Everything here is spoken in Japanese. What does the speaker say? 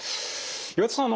岩田さん。